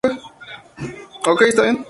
Se conservan otras tablas suyas en la isla.